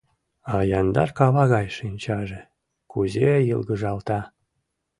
«А яндар кава гай шинчаже кузе йылгыжалта!»